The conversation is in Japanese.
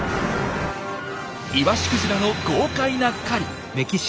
イワシクジラの豪快な狩り！